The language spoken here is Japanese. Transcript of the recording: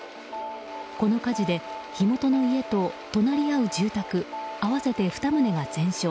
この火事で火元の家と隣り合う住宅合わせて２棟が全焼。